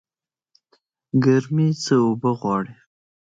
ګرمي څه اوبه غواړي؟